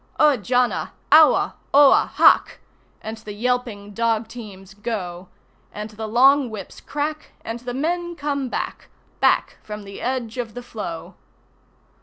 Au jana! Aua! Oha! Haq! And the yelping dog teams go, And the long whips crack, and the men come back, Back from the edge of the floe!